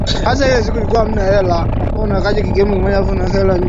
la tundra ardhi iliyogandakanda la taiga misitukanda